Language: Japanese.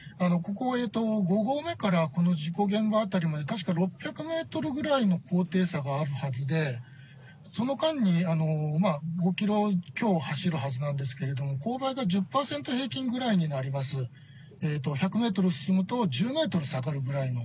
ここ、５合目から事故現場辺りまで確か６００メートルぐらいの高低差があるはずで、その間に５キロ強走るはずなんですけれども、勾配が１０％平均ぐらいになります、１００メートル進むと１０メートル下がるぐらいの。